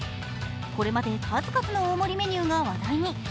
これまで数々の大盛りメニューが話題に。